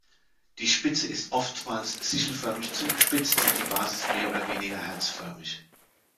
Die Spitze ist oftmals sichelförmig zugespitzt, die Basis mehr oder weniger herzförmig.